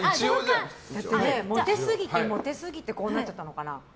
モテすぎて、モテすぎてこうなっちゃったのかな？